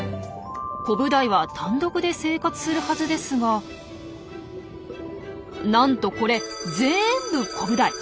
コブダイは単独で生活するはずですがなんとこれぜんぶコブダイ！